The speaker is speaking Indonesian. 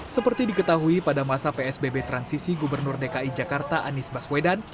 seperti diketahui pada masa psbb transisi gubernur dki jakarta anies baswedan